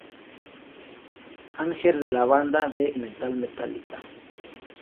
Anger" de la banda de "heavy metal" Metallica.